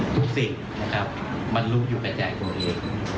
ทุกสิ่งนะครับมันรู้อยู่ในใต้นี่